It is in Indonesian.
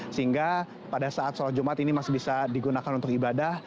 sehingga pada saat sholat jumat ini masih bisa digunakan untuk ibadah